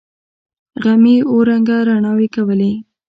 غمي اوه رنگه رڼاوې کولې.